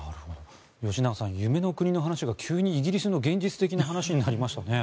吉永さん、夢の国の話が急にイギリスの現実的な話になりましたね。